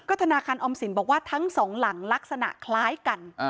ธนาคารออมสินบอกว่าทั้งสองหลังลักษณะคล้ายกัน